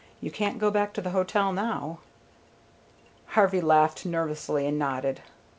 "You can't go back to the hotel now." Harvey laughed nervously and nodded.